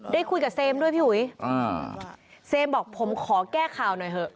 ได้คุยกับเซมด้วยพี่อุ๋ยอ่าเซมบอกผมขอแก้ข่าวหน่อยเถอะ